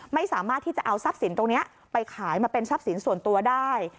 ไม่สามารถที่จะเอาทรัพย์สินตรงนี้ไปขายมาเป็นทรัพย์สินส่วนตัวได้